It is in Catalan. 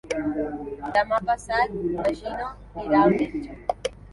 Demà passat na Gina irà al metge.